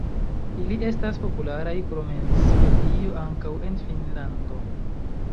Ili estas popularaj krom en Svedio ankaŭ en Finnlando.